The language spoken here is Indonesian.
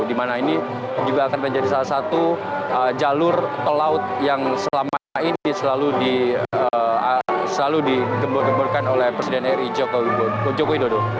di mana ini juga akan menjadi salah satu jalur pelaut yang selama ini selalu digembur gemburkan oleh presiden ri jokowi dodo